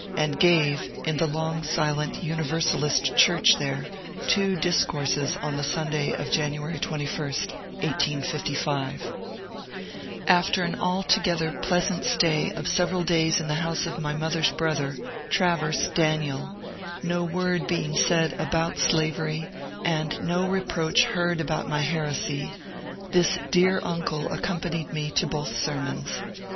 and gave in the long silent Universalist church there two discourses on the Sunday of January 21, 1855. 190 MONCUKE DANIEL CONWAY After an altogether pleasant stay of several days in the house of my mother's brother, Trayers Daniel, no word being said about slavery and no reproach heard abont my heresy, this dear uncle accompanied me to both sermons.